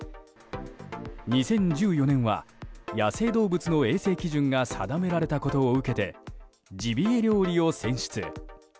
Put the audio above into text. ２０１４年は野生動物の衛生基準が定められたことを受けてジビエ料理を選出。